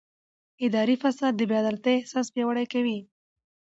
اداري فساد د بې عدالتۍ احساس پیاوړی کوي